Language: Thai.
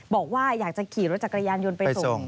บอกว่าอยากจะขี่รถจักรยานยนต์ไปส่ง